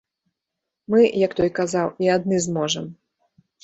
Мы, як той казаў, і адны зможам.